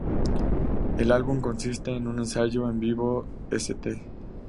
El álbum consiste en un ensayo en vivo en St.